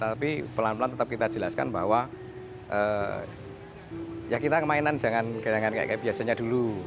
tapi pelan pelan tetap kita jelaskan bahwa ya kita kemainan jangan kayak biasanya dulu